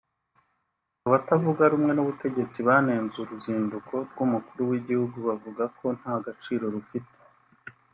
Abatavuga rumwe n’ubutegetsi banenze uruzinduko rw’umukuru w’igihugu bavuga ko nta gaciro rufite